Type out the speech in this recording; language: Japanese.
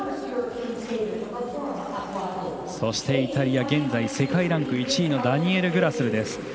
そして、イタリア現在世界ランキング１位のダニエル・グラスルです。